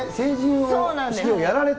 そうなんです。